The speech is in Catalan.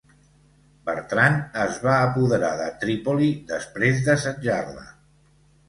Bertran es va apoderar de Trípoli després d'assetjar-la.